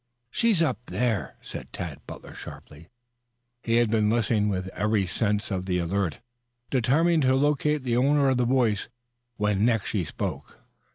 "She's up there!" said Tad Butler sharply. He had been listening with every sense on the alert, determined to locate the owner of the voice when next she spoke.